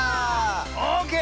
オーケー！